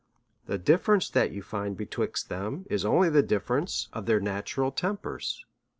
The difference that you find betwixt them is only the difference of their natural tempers.